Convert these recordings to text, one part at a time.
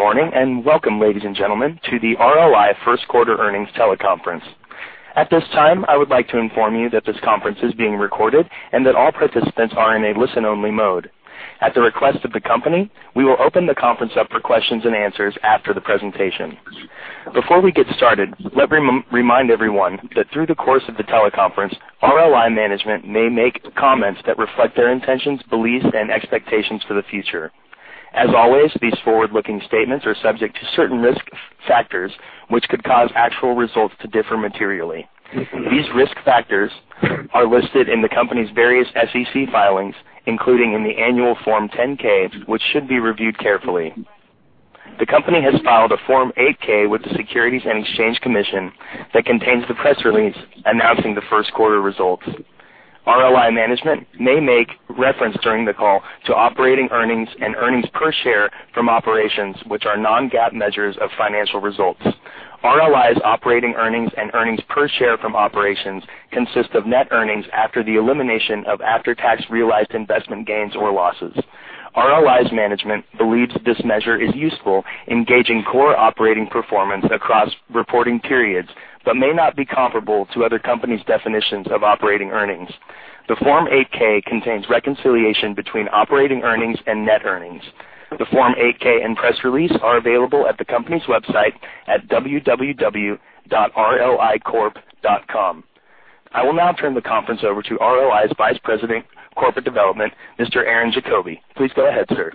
Good morning, welcome, ladies and gentlemen, to the RLI first quarter earnings teleconference. At this time, I would like to inform you that this conference is being recorded and that all participants are in a listen-only mode. At the request of the company, we will open the conference up for questions and answers after the presentation. Before we get started, let me remind everyone that through the course of the teleconference, RLI management may make comments that reflect their intentions, beliefs, and expectations for the future. As always, these forward-looking statements are subject to certain risk factors, which could cause actual results to differ materially. These risk factors are listed in the company's various SEC filings, including in the annual Form 10-K, which should be reviewed carefully. The company has filed a Form 8-K with the Securities and Exchange Commission that contains the press release announcing the first quarter results. RLI management may make reference during the call to operating earnings and earnings per share from operations, which are non-GAAP measures of financial results. RLI's operating earnings and earnings per share from operations consist of net earnings after the elimination of after-tax realized investment gains or losses. RLI's management believes this measure is useful in gauging core operating performance across reporting periods but may not be comparable to other companies' definitions of operating earnings. The Form 8-K contains reconciliation between operating earnings and net earnings. The Form 8-K and press release are available at the company's website at www.rlicorp.com. I will now turn the conference over to RLI's Vice President of Corporate Development, Mr. Aaron Diefenthaler. Please go ahead, sir.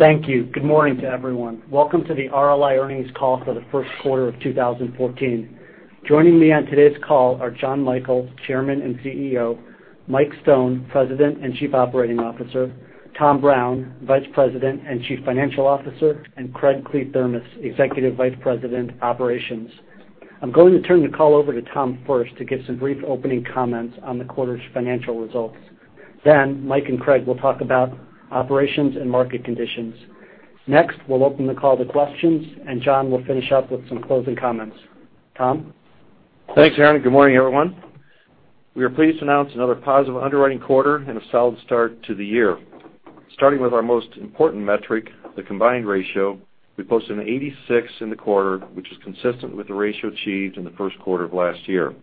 Thank you. Good morning to everyone. Welcome to the RLI earnings call for the first quarter of 2014. Joining me on today's call are John Michael, Chairman and CEO; Mike Stone, President and Chief Operating Officer; Tom Brown, Vice President and Chief Financial Officer; Craig Kliethermes, Executive Vice President, Operations. I'm going to turn the call over to Tom first to give some brief opening comments on the quarter's financial results. Mike and Craig will talk about operations and market conditions. Next, we'll open the call to questions, John will finish up with some closing comments. Tom? Thanks, Aaron. Good morning, everyone. We are pleased to announce another positive underwriting quarter and a solid start to the year. Starting with our most important metric, the combined ratio, we posted an 86% in the quarter, which is consistent with the ratio achieved in the first quarter of last year.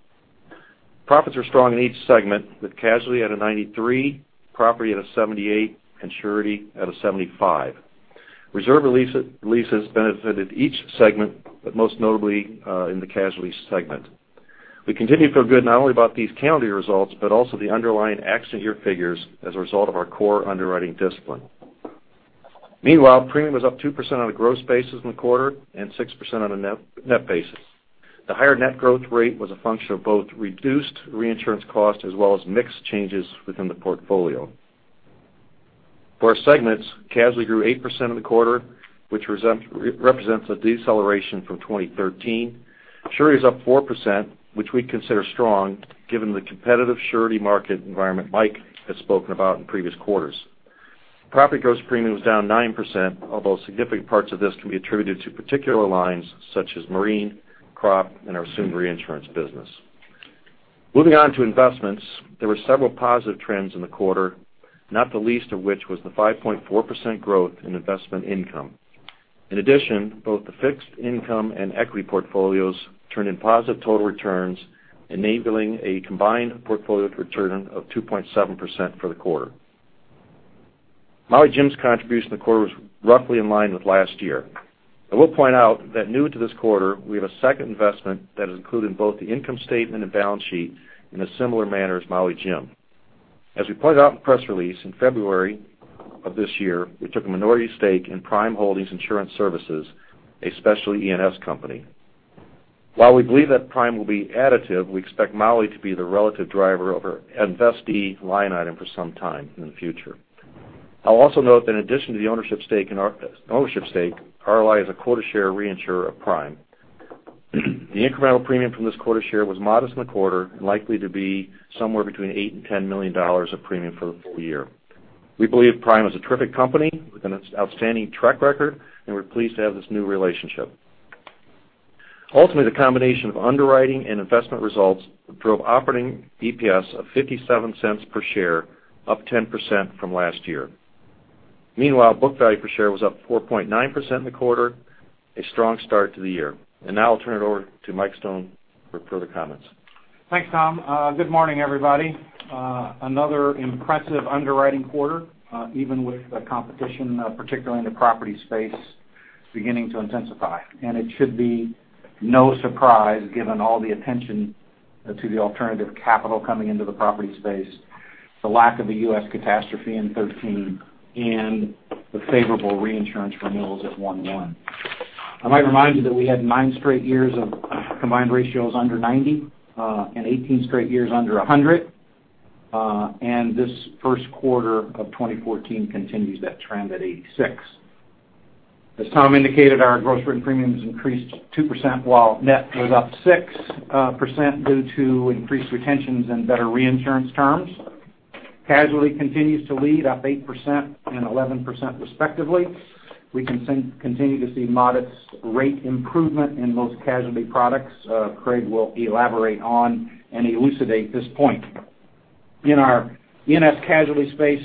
Profits are strong in each segment, with casualty at a 93%, property at a 78%, and surety at a 75%. Reserve releases benefited each segment, most notably in the casualty segment. We continue to feel good not only about these calendar results, but also the underlying accident year figures as a result of our core underwriting discipline. Meanwhile, premium was up 2% on a gross basis in the quarter and 6% on a net basis. The higher net growth rate was a function of both reduced reinsurance costs as well as mix changes within the portfolio. For our segments, casualty grew 8% in the quarter, which represents a deceleration from 2013. Surety is up 4%, which we consider strong given the competitive surety market environment Mike has spoken about in previous quarters. Property gross premium was down 9%, although significant parts of this can be attributed to particular lines such as marine, crop, and our assumed reinsurance business. Moving on to investments, there were several positive trends in the quarter, not the least of which was the 5.4% growth in investment income. In addition, both the fixed income and equity portfolios turned in positive total returns, enabling a combined portfolio return of 2.7% for the quarter. Maui Jim's contribution to the quarter was roughly in line with last year. I will point out that new to this quarter, we have a second investment that is included in both the income statement and balance sheet in a similar manner as Maui Jim. As we pointed out in the press release, in February of this year, we took a minority stake in Prime Holdings Insurance Services, a specialty E&S company. While we believe that Prime will be additive, we expect Maui to be the relative driver of our investee line item for some time in the future. I'll also note that in addition to the ownership stake, RLI is a quota share reinsurer of Prime. The incremental premium from this quota share was modest in the quarter and likely to be somewhere between $8 million and $10 million of premium for the full year. We believe Prime is a terrific company with an outstanding track record, we're pleased to have this new relationship. Ultimately, the combination of underwriting and investment results drove operating EPS of $0.57 per share, up 10% from last year. Meanwhile, book value per share was up 4.9% in the quarter, a strong start to the year. Now I'll turn it over to Mike Stone for further comments. Thanks, Tom. Good morning, everybody. Another impressive underwriting quarter, even with the competition, particularly in the property space, beginning to intensify. It should be no surprise, given all the attention to the alternative capital coming into the property space, the lack of a U.S. catastrophe in 2013, and the favorable reinsurance renewals at 1/1. I might remind you that we had nine straight years of combined ratios under 90 and 18 straight years under 100, and this first quarter of 2014 continues that trend at 86. As Tom indicated, our gross written premiums increased 2%, while net was up 6% due to increased retentions and better reinsurance terms. Casualty continues to lead, up 8% and 11% respectively. We continue to see modest rate improvement in most casualty products. Craig will elaborate on and elucidate this point. In our E&S casualty space,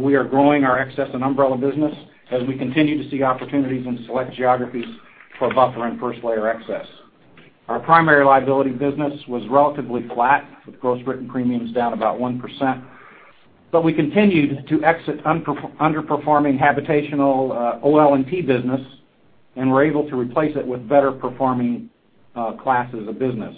we are growing our excess and umbrella business as we continue to see opportunities in select geographies for buffer and first layer excess. Our primary liability business was relatively flat, with gross written premiums down about 1%, but we continued to exit underperforming habitational OL&T business, and were able to replace it with better performing classes of business.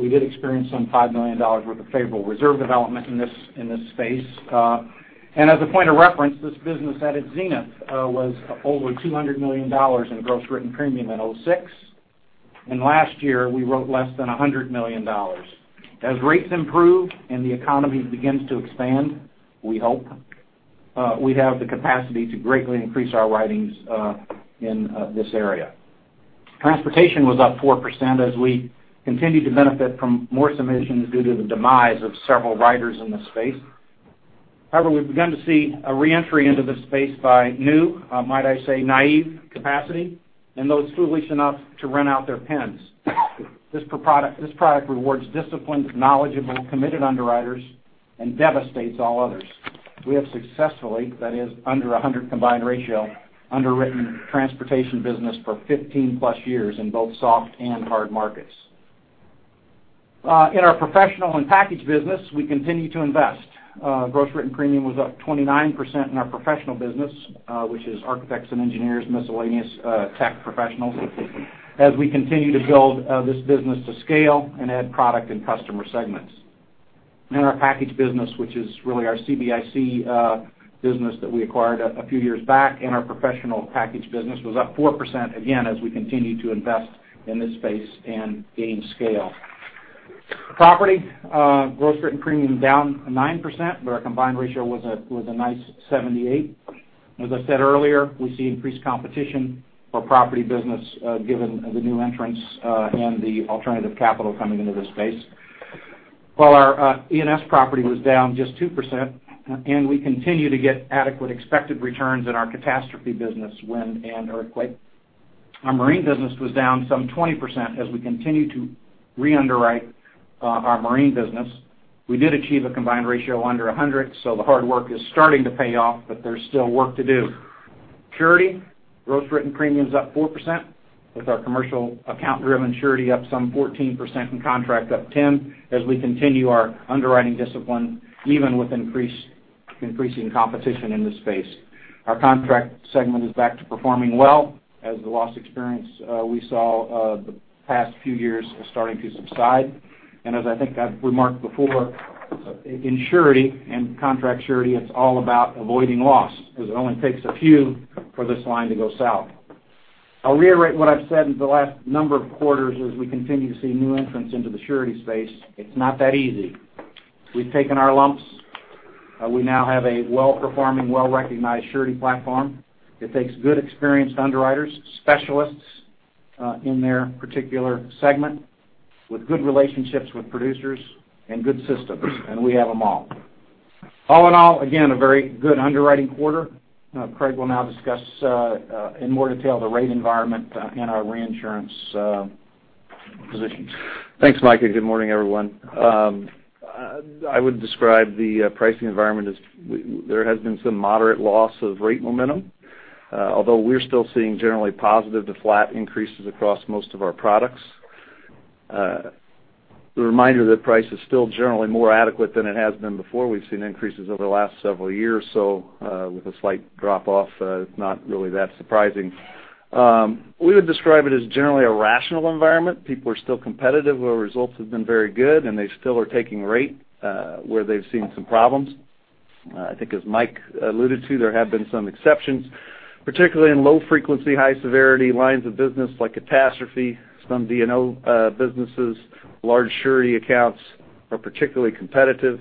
We did experience some $5 million worth of favorable reserve development in this space. As a point of reference, this business at its zenith was over $200 million in gross written premium in 2006, and last year, we wrote less than $100 million. As rates improve and the economy begins to expand, we hope, we have the capacity to greatly increase our writings in this area. Transportation was up 4% as we continued to benefit from more submissions due to the demise of several writers in the space. However, we've begun to see a re-entry into this space by new, might I say, naive capacity, and those foolish enough to rent out their pens. This product rewards disciplined, knowledgeable, committed underwriters, and devastates all others. We have successfully, that is, under 100 combined ratio, underwritten transportation business for 15 plus years in both soft and hard markets. In our professional and package business, we continue to invest. Gross written premium was up 29% in our professional business, which is architects and engineers, miscellaneous tech professionals, as we continue to build this business to scale and add product and customer segments. In our package business, which is really our CBIC business that we acquired a few years back, our professional package business was up 4%, again, as we continue to invest in this space and gain scale. Property, gross written premium down 9%, our combined ratio was a nice 78. As I said earlier, we see increased competition for property business, given the new entrants and the alternative capital coming into this space. While our E&S property was down just 2%, and we continue to get adequate expected returns in our catastrophe business, wind and earthquake. Our marine business was down some 20% as we continue to re-underwrite our marine business. We did achieve a combined ratio under 100, the hard work is starting to pay off, but there's still work to do. Surety, gross written premium's up 4%, with our commercial account driven surety up some 14% and contract up 10% as we continue our underwriting discipline, even with increasing competition in this space. Our contract segment is back to performing well as the loss experience we saw the past few years is starting to subside. As I think I've remarked before, in surety and contract surety, it's all about avoiding loss, because it only takes a few for this line to go south. I'll reiterate what I've said in the last number of quarters as we continue to see new entrants into the surety space. It's not that easy. We've taken our lumps. We now have a well-performing, well-recognized surety platform. It takes good, experienced underwriters, specialists in their particular segment with good relationships with producers and good systems, and we have them all. All in all, again, a very good underwriting quarter. Craig will now discuss in more detail the rate environment and our reinsurance positions. Thanks, Mike. Good morning, everyone. I would describe the pricing environment as there has been some moderate loss of rate momentum. We're still seeing generally positive to flat increases across most of our products. A reminder that price is still generally more adequate than it has been before. We've seen increases over the last several years. With a slight drop off, it's not really that surprising. We would describe it as generally a rational environment. People are still competitive where results have been very good. They still are taking rate where they've seen some problems. I think as Mike alluded to, there have been some exceptions, particularly in low frequency, high severity lines of business like catastrophe, some D&O businesses, large surety accounts are particularly competitive.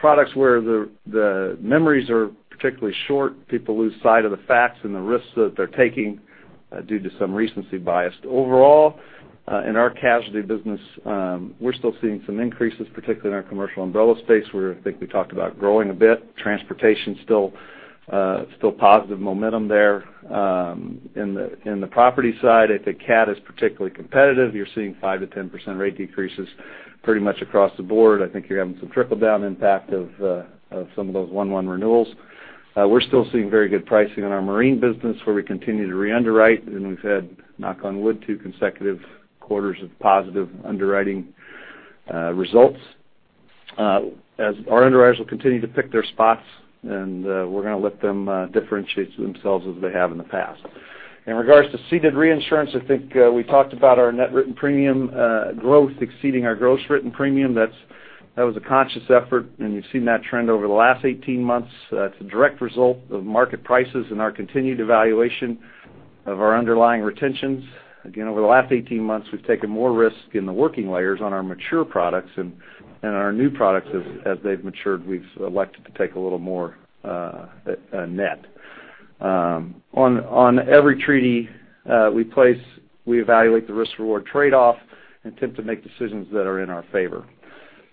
Products where the memories are particularly short, people lose sight of the facts and the risks that they're taking due to some recency bias. Overall, in our casualty business, we're still seeing some increases, particularly in our commercial umbrella space, where I think we talked about growing a bit. Transportation, still positive momentum there. In the property side, I think cat is particularly competitive. You're seeing 5%-10% rate decreases pretty much across the board. I think you're having some trickle-down impact of some of those 1/1 renewals. We're still seeing very good pricing in our marine business, where we continue to re-underwrite. We've had, knock on wood, two consecutive quarters of positive underwriting results. Our underwriters will continue to pick their spots. We're going to let them differentiate themselves as they have in the past. In regards to ceded reinsurance, I think we talked about our net written premium growth exceeding our gross written premium. That was a conscious effort. You've seen that trend over the last 18 months. That's a direct result of market prices and our continued evaluation of our underlying retentions. Again, over the last 18 months, we've taken more risk in the working layers on our mature products. Our new products as they've matured, we've elected to take a little more net. On every treaty we place, we evaluate the risk/reward trade-off and attempt to make decisions that are in our favor.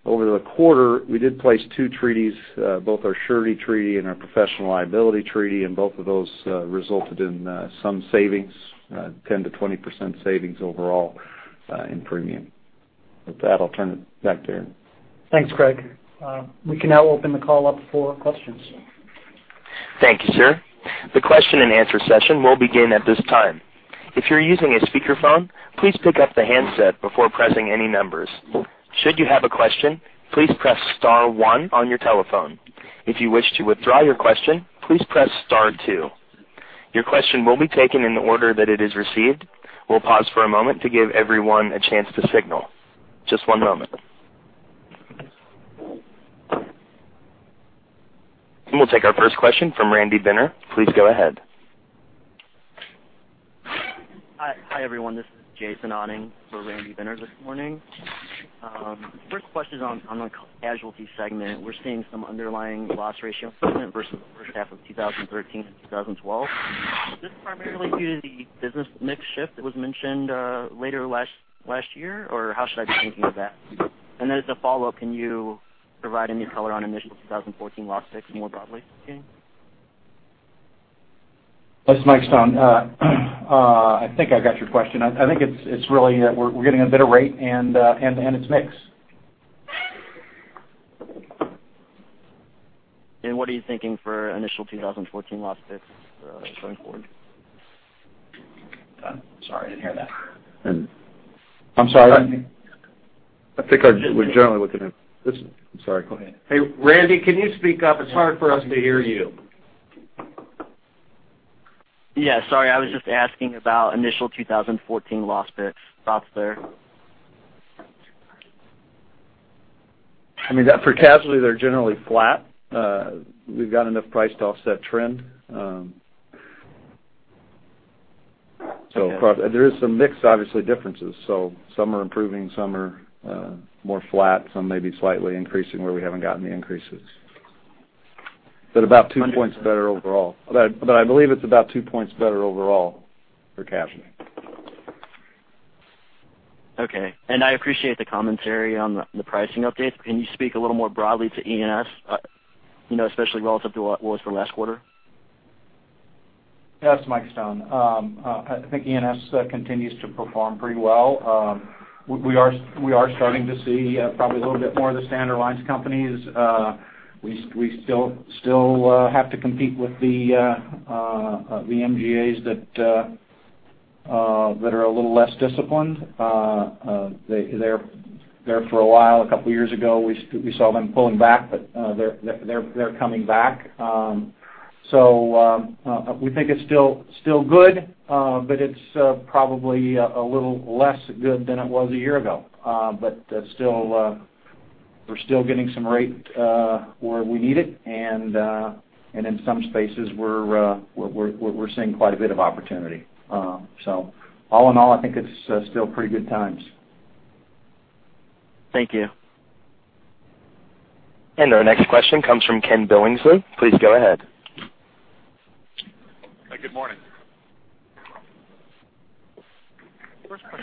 Over the quarter, we did place two treaties, both our surety treaty and our professional liability treaty. Both of those resulted in some savings, 10%-20% savings overall in premium. With that, I'll turn it back to Aaron. Thanks, Craig. We can now open the call up for questions. Thank you, sir. The question and answer session will begin at this time. If you're using a speakerphone, please pick up the handset before pressing any numbers. Should you have a question, please press star one on your telephone. If you wish to withdraw your question, please press star two. Your question will be taken in the order that it is received. We'll pause for a moment to give everyone a chance to signal. Just one moment. We'll take our first question from Randy Binner. Please go ahead. Hi, everyone. This is Jason Otting for Randy Binner this morning. First question is on the casualty segment. We're seeing some underlying loss ratio improvement versus the first half of 2013 and 2012. Is this primarily due to the business mix shift that was mentioned later last year, or how should I be thinking of that? Then as a follow-up, can you provide any color on initial 2014 loss picks more broadly? This is Michael Stone. I think I got your question. I think it's really that we're getting a better rate and its mix. What are you thinking for initial 2014 loss picks going forward? Sorry, I didn't hear that. I'm sorry? I think we're generally looking at this. I'm sorry. Go ahead. Hey, Randy, can you speak up? It's hard for us to hear you. Yeah. Sorry, I was just asking about initial 2014 loss picks, thoughts there. I mean, for casualty, they're generally flat. We've got enough price to offset trend. There is some mix, obviously, differences. Some are improving, some are more flat, some may be slightly increasing where we haven't gotten the increases. About two points better overall. I believe it's about two points better overall for casualty. Okay. I appreciate the commentary on the pricing updates. Can you speak a little more broadly to E&S, especially relative to what was for last quarter? Yes, Michael Stone. I think E&S continues to perform pretty well. We are starting to see probably a little bit more of the standard lines companies. We still have to compete with the MGAs that are a little less disciplined. They're for a while, a couple of years ago, we saw them pulling back, but they're coming back. We think it's still good, but it's probably a little less good than it was a year ago. We're still getting some rate where we need it, and in some spaces we're seeing quite a bit of opportunity. All in all, I think it's still pretty good times. Thank you. Our next question comes from Ken Billingsley. Please go ahead. Good morning.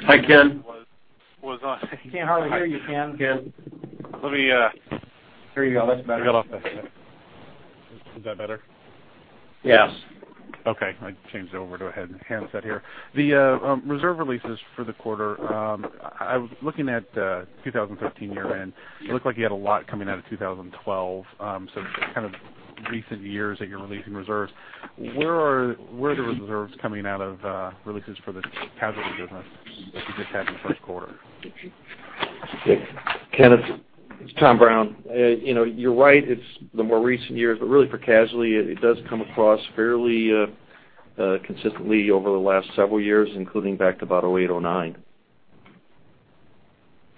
Hi, Ken. We can't hardly hear you, Ken. Let me- There you go. That's better. Is that better? Yes. Okay. I changed over to a handset here. The reserve releases for the quarter. Looking at 2013 year-end, it looked like you had a lot coming out of 2012. Kind of recent years that you're releasing reserves. Where are the reserves coming out of releases for the casualty business that you just had in the first quarter? Ken, it's Tom Brown. You're right, it's the more recent years. Really for casualty, it does come across fairly consistently over the last several years, including back to about '08, '09.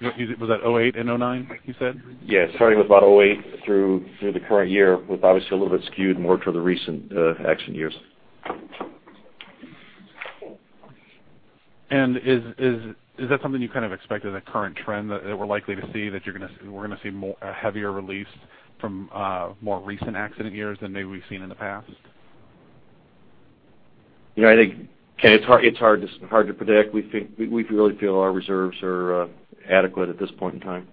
Was that '08 and '09, you said? Yes. Starting with about 2008 through the current year was obviously a little bit skewed more toward the recent action years. Is that something you kind of expect as a current trend that we're likely to see that we're going to see a heavier release from more recent accident years than maybe we've seen in the past? I think, Ken, it's hard to predict. We really feel our reserves are adequate at this point in time.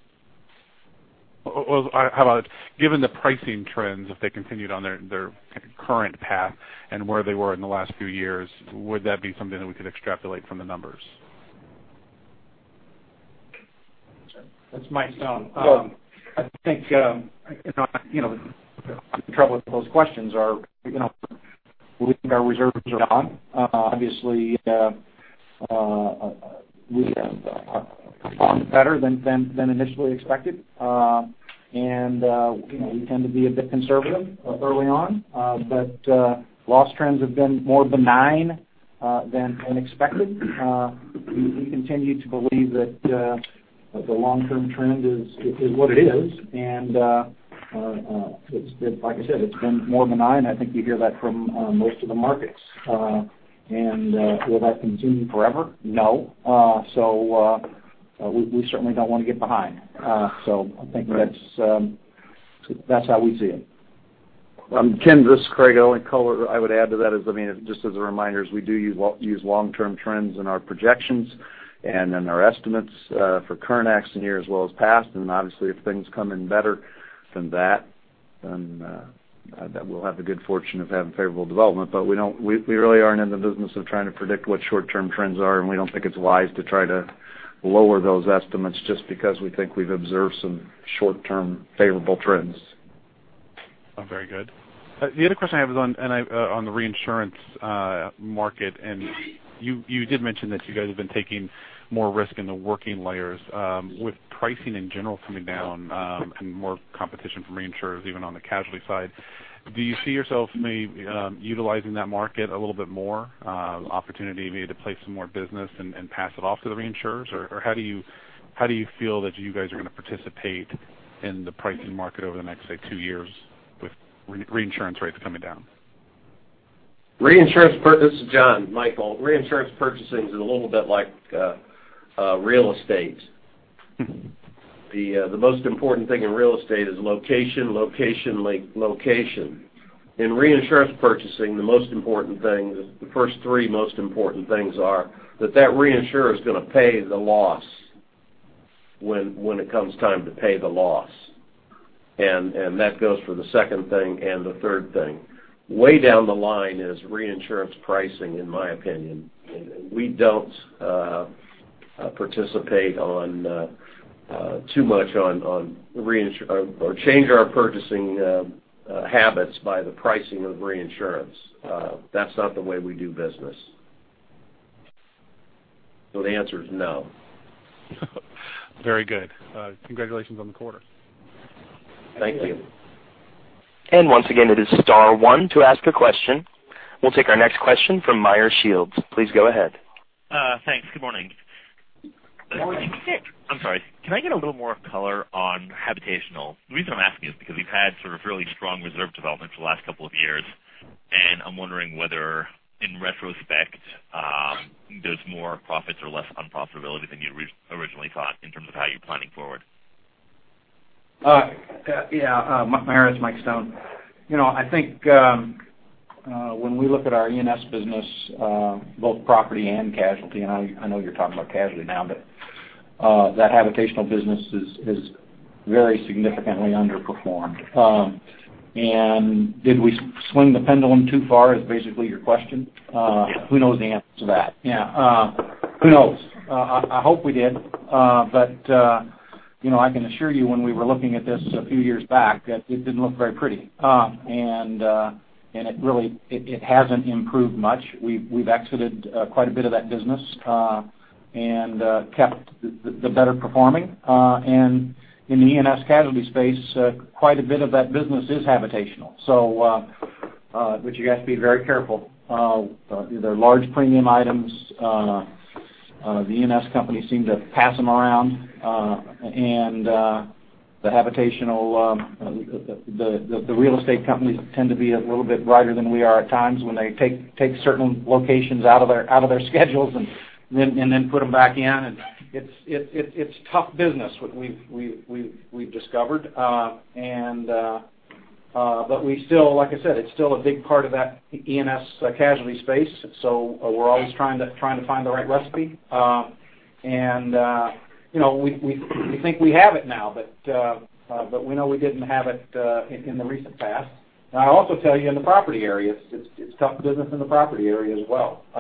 How about given the pricing trends, if they continued on their current path and where they were in the last few years, would that be something that we could extrapolate from the numbers? It's Michael Stone. I think the trouble with those questions are, we think our reserves are on. Obviously, we have performed better than initially expected. We tend to be a bit conservative early on, but loss trends have been more benign than expected. We continue to believe that the long-term trend is what it is, and like I said, it's been more benign. I think you hear that from most of the markets. Will that continue forever? No. We certainly don't want to get behind. I think that's how we see it. Ken, this is Craig Kliethermes. I would add to that is, just as a reminder, is we do use long-term trends in our projections and in our estimates for current accident year as well as past. Obviously, if things come in better than that, then we'll have the good fortune of having favorable development. We really aren't in the business of trying to predict what short-term trends are, and we don't think it's wise to try to lower those estimates just because we think we've observed some short-term favorable trends. Very good. The other question I have is on the reinsurance market. You did mention that you guys have been taking more risk in the working layers. With pricing in general coming down and more competition from reinsurers, even on the casualty side, do you see yourself maybe utilizing that market a little bit more? Opportunity maybe to place some more business and pass it off to the reinsurers? How do you feel that you guys are going to participate in the pricing market over the next, say, 2 years with reinsurance rates coming down? This is John. Michael, reinsurance purchasing is a little bit like real estate. The most important thing in real estate is location, location. In reinsurance purchasing, the first three most important things are that that reinsurer is going to pay the loss when it comes time to pay the loss, and that goes for the second thing and the third thing. Way down the line is reinsurance pricing, in my opinion. We don't participate too much or change our purchasing habits by the pricing of reinsurance. That's not the way we do business. The answer is no. Very good. Congratulations on the quarter. Thank you. Once again, it is star one to ask a question. We'll take our next question from Meyer Shields. Please go ahead. Thanks. Good morning. Morning. I'm sorry. Can I get a little more color on habitational? The reason I'm asking is because you've had sort of really strong reserve development for the last couple of years, and I'm wondering whether, in retrospect, there's more profits or less unprofitability than you originally thought in terms of how you're planning forward. Yeah. Meyer, it's Michael Stone. I think when we look at our E&S business, both property and casualty, I know you're talking about casualty now, but that habitational business has very significantly underperformed. Did we swing the pendulum too far, is basically your question? Yeah. Who knows the answer to that? Yeah. Who knows? I hope we did. I can assure you, when we were looking at this a few years back, that it didn't look very pretty. It really hasn't improved much. We've exited quite a bit of that business and kept the better performing. In the E&S casualty space, quite a bit of that business is habitational. You have to be very careful. They're large premium items. The E&S companies seem to pass them around. The real estate companies tend to be a little bit brighter than we are at times when they take certain locations out of their schedules and then put them back in. It's tough business, we've discovered. Like I said, it's still a big part of that E&S casualty space, so we're always trying to find the right recipe. We think we have it now, but we know we didn't have it in the recent past. I'll also tell you in the property area, it's tough business in the property area as well. A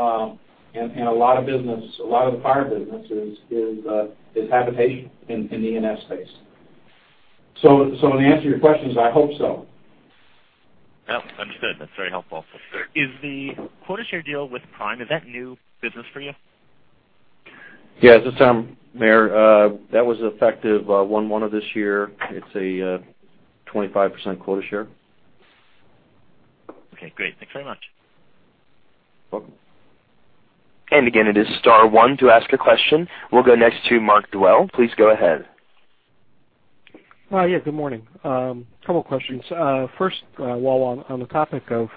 lot of the property business is habitation in the E&S space. In answer to your questions, I hope so. Yep. Understood. That's very helpful. Is the quota share deal with Prime, is that new business for you? Yes, this is Tom. Meyer, that was effective 1/1 of this year. It's a 25% quota share. Okay, great. Thanks very much. Welcome. Again, it is star one to ask a question. We'll go next to Mark Dwelle. Please go ahead. Yeah. Good morning. Couple of questions. First, while on the topic of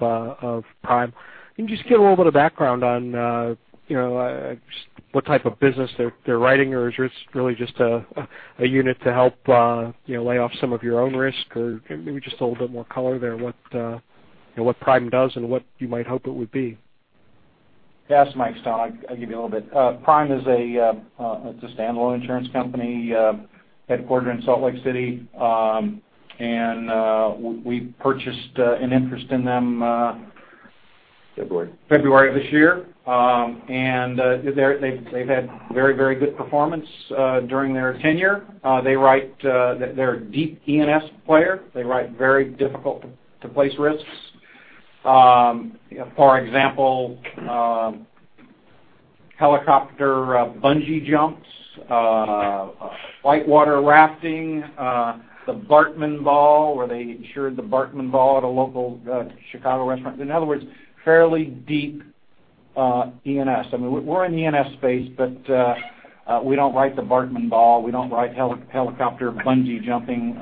Prime, can you just give a little bit of background on what type of business they're writing, or is this really just a unit to help lay off some of your own risk? Or maybe just a little bit more color there, what Prime does and what you might hope it would be. Yeah. This is Michael Stone. I'll give you a little bit. Prime is a standalone insurance company headquartered in Salt Lake City, we purchased an interest in them- February February of this year. They've had very good performance during their tenure. They're a deep E&S player. They write very difficult-to-place risks. For example, helicopter bungee jumps, whitewater rafting, the Bartman ball, where they insured the Bartman ball at a local Chicago restaurant. In other words, fairly deep E&S. I mean, we're in the E&S space, but we don't write the Bartman ball. We don't write helicopter bungee jumping.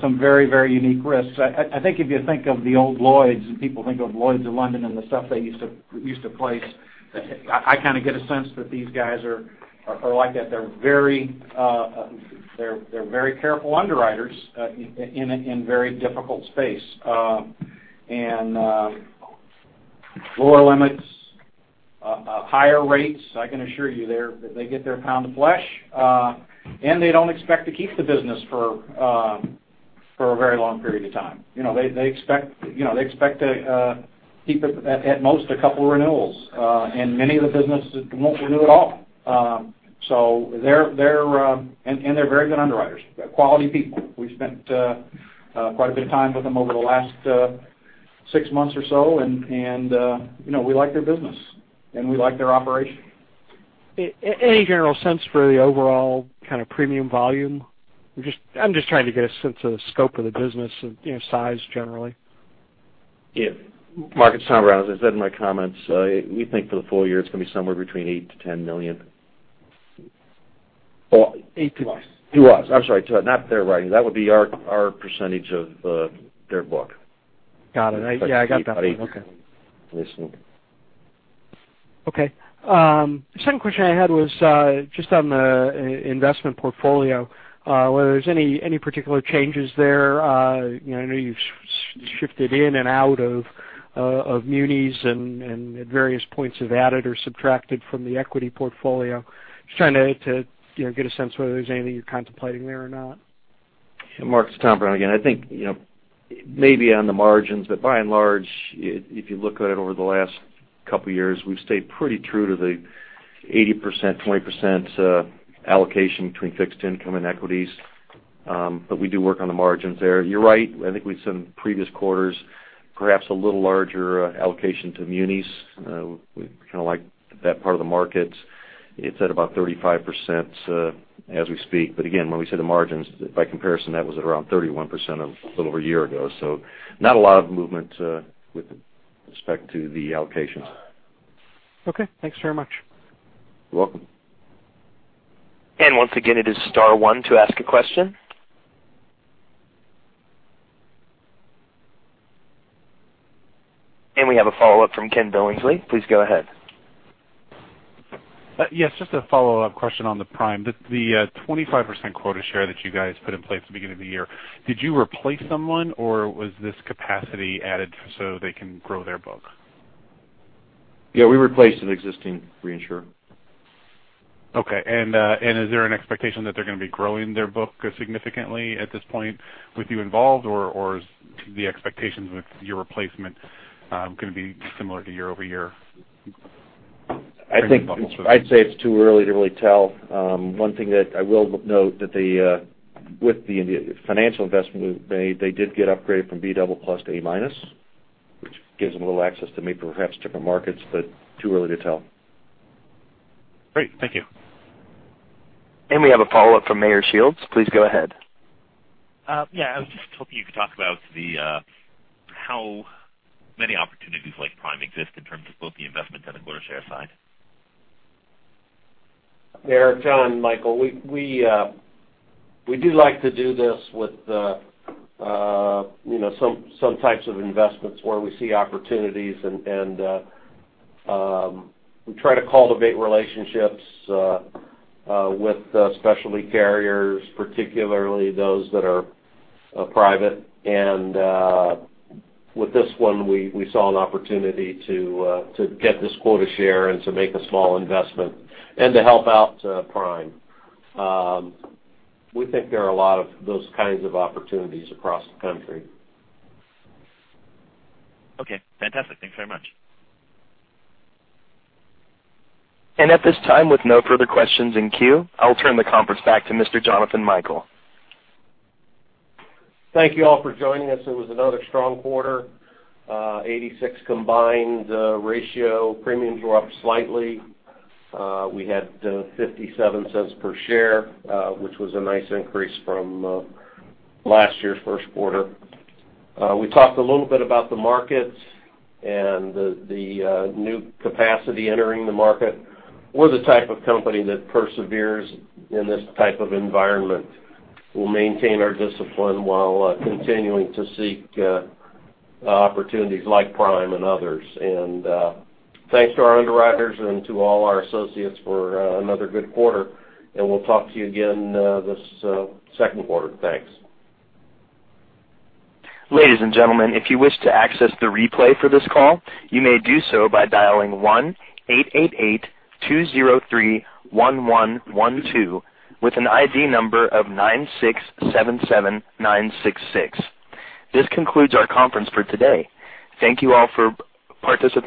Some very unique risks. I think if you think of the old Lloyd's, and people think of Lloyd's of London and the stuff they used to place, I kind of get a sense that these guys are like that. They're very careful underwriters in a very difficult space. Lower limits, higher rates. I can assure you they get their pound of flesh. They don't expect to keep the business for For a very long period of time. They expect to keep at most a couple of renewals, many of the businesses won't renew at all. They're very good underwriters. Quality people. We've spent quite a bit of time with them over the last six months or so, and we like their business, and we like their operation. Any general sense for the overall kind of premium volume? I'm just trying to get a sense of the scope of the business and size generally. Yeah. Mark, it's Tom Brown. As I said in my comments, we think for the full year, it's going to be somewhere between $8 million-$10 million. Eight to- To us. I'm sorry. Not their writing. That would be our percentage of their book. Got it. I got that. Okay. Listen. Okay. The second question I had was just on the investment portfolio, whether there's any particular changes there. I know you've shifted in and out of munis and at various points have added or subtracted from the equity portfolio. Just trying to get a sense of whether there's anything you're contemplating there or not. Mark, it's Tom Brown again. I think maybe on the margins, by and large, if you look at it over the last couple of years, we've stayed pretty true to the 80%/20% allocation between fixed income and equities. We do work on the margins there. You're right, I think we've said in previous quarters, perhaps a little larger allocation to munis. We kind of like that part of the market. It's at about 35% as we speak. Again, when we say the margins, by comparison, that was at around 31% a little over a year ago, so not a lot of movement with respect to the allocations. Okay. Thanks very much. You're welcome. Once again, it is star one to ask a question. We have a follow-up from Ken Billingsley. Please go ahead. Yes, just a follow-up question on the Prime. The 25% quota share that you guys put in place at the beginning of the year, did you replace someone, or was this capacity added so they can grow their book? Yeah, we replaced an existing reinsurer. Okay. Is there an expectation that they're going to be growing their book significantly at this point with you involved, or is the expectations with your replacement going to be similar to year-over-year? I'd say it's too early to really tell. One thing that I will note that with the financial investment we made, they did get upgraded from B++ to A-, which gives them a little access to maybe perhaps different markets, but too early to tell. Great. Thank you. We have a follow-up from Meyer Shields. Please go ahead. Yeah, I was just hoping you could talk about how many opportunities like Prime exist in terms of both the investment and the quota share side. Meyer, Jonathan Michael, we do like to do this with some types of investments where we see opportunities, and we try to cultivate relationships with specialty carriers, particularly those that are private. With this one, we saw an opportunity to get this quota share and to make a small investment and to help out Prime. We think there are a lot of those kinds of opportunities across the country. Okay. Fantastic. Thanks very much. At this time, with no further questions in queue, I'll turn the conference back to Mr. Jonathan Michael. Thank you all for joining us. It was another strong quarter. 86 combined ratio. Premiums were up slightly. We had $0.57 per share, which was a nice increase from last year's first quarter. We talked a little bit about the markets and the new capacity entering the market. We're the type of company that perseveres in this type of environment. We'll maintain our discipline while continuing to seek opportunities like Prime and others. Thanks to our underwriters and to all our associates for another good quarter, and we'll talk to you again this second quarter. Thanks. Ladies and gentlemen, if you wish to access the replay for this call, you may do so by dialing 1-888-203-1112 with an ID number of 9677966. This concludes our conference for today. Thank you all for participating.